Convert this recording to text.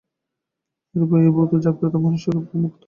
এইরূপেই এই বোধ জাগ্রত মানুষ স্বরূপত মুক্ত।